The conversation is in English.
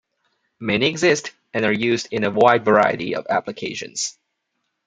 Many exist and are used in a wide variety of applications.